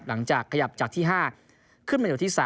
หลังจากขยับจากที่๕ขึ้นมาอยู่ที่๓